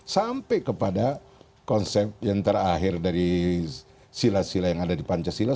sampai kepada konsep yang terakhir dari sila sila yang ada di pancasila